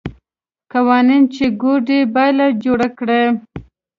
قوانین چې کوډ یې باله جوړ کړي.